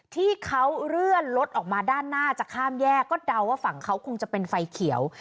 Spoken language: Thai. ที่เขาเลื่อนรถออกมาด้านหน้าจะข้ามแยกก็เดาว่าฝั่งเขาคงจะเป็นไฟเขียว